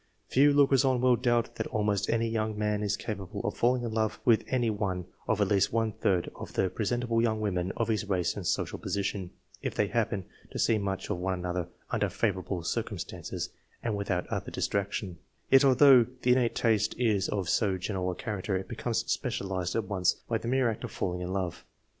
Few lookers on will doubt that almost any young man is capable of falling in love with any one of at least one third of the presentable young women of his race and social position, if they happen to see much of one another under favourable circumstances and without other distraction ; yet, although the innate taste is of so general a character, it becomes specialised at once by the mere act of falling in love.